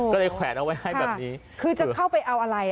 ก็เลยแขวนเอาไว้ให้แบบนี้คือจะเข้าไปเอาอะไร